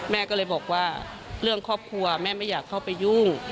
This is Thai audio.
แม่ก็เลยบอกว่าเรื่องครอบครัวแม่ไม่อยากเข้าไปยุ่ง